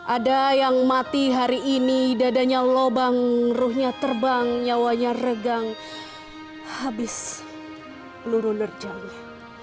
ada yang mati hari ini dadanya lobang ruhnya terbang nyawanya regang habis peluru nerjangnya